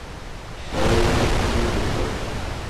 شاعری پسند نہیں کرتا